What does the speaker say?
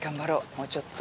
もうちょっとだ。